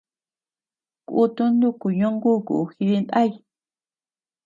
Kutu nuku ñonguku jidinday.